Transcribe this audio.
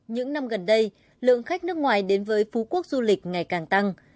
những năm gần đây lượng khách nước ngoài đến với phú quốc du lịch ngày càng tăng